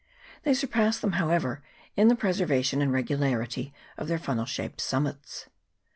They surpass them, how ever, in the preservation and regularity of their funnel shaped summits.